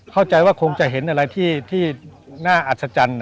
เข้าใจว่าคงจะเห็นอะไรที่น่าอัศจรรย์